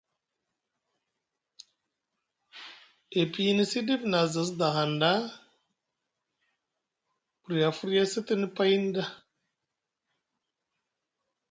E piyinisi ɗif na aza sda hanɗa buri a firya a sitini payni ɗa.